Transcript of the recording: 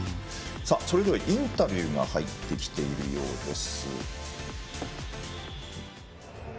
インタビューが入ってきているようです。